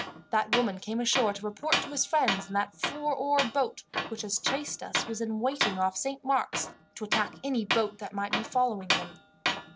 That woman came ashore to report to his friends, and that four oared boat which has chased us was in waiting off Saint Mark's, to attack any boat that might be following them.